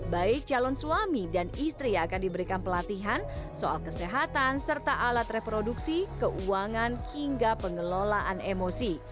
baik calon suami dan istri akan diberikan pelatihan soal kesehatan serta alat reproduksi keuangan hingga pengelolaan emosi